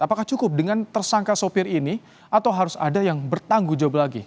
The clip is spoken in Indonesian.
apakah cukup dengan tersangka sopir ini atau harus ada yang bertanggung jawab lagi